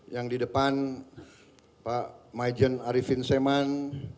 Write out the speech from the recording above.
yang di depan pak maijen arifin seman